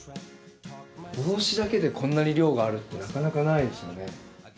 帽子だけでこんなに量があるってなかなかないですよね。